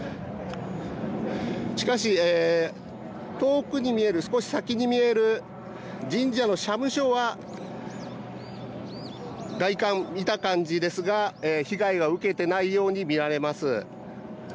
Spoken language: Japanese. しかし、遠くに見える、少し先に見える神社の社務所は外観、見た感じですが被害は受けていないように見られます。